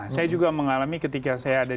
saya juga mengalami ketika saya ada di